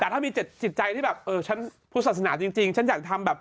แต่ถ้ามี๗จิตใจที่แบบเออฉันพุทธศาสนาจริงฉันอยากทำแบบ